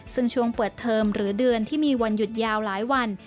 ซึ่งช่วงเปิดเทอมหรือเดือนที่มีวันหยุดยาวหลายวัน